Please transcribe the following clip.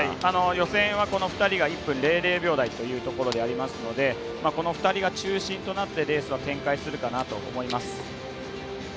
予選は、この２人が１分００秒台というところでありますのでこの２人が中心となってレースは展開するかなと思います。